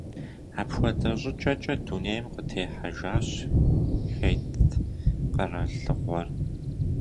Апхуэдэ щӏыкӏэкӏэ дунейм къытехьэжащ Хетт къэралыгъуэр.